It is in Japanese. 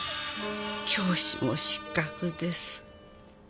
「教師も失格です」